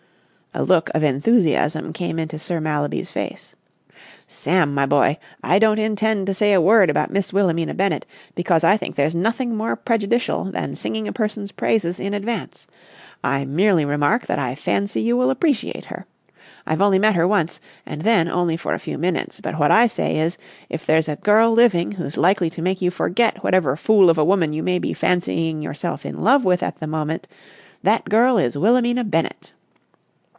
A look of enthusiasm came into Sir Mallaby's face. "Sam, my boy, I don't intend to say a word about Miss Wilhelmina Bennett, because I think there's nothing more prejudicial than singing a person's praises in advance. I merely remark that I fancy you will appreciate her! I've only met her once, and then only for a few minutes, but what I say is, if there's a girl living who's likely to make you forget whatever fool of a woman you may be fancying yourself in love with at the moment, that girl is Wilhelmina Bennett!